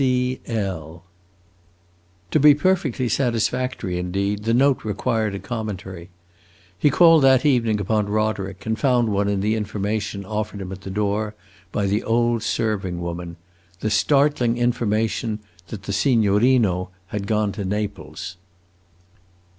" C. L." To be perfectly satisfactory, indeed, the note required a commentary. He called that evening upon Roderick, and found one in the information offered him at the door, by the old serving woman the startling information that the signorino had gone to Naples.